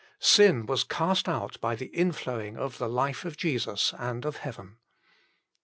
Sin was cast out by the inflowing of the life of Jesus and of heaven.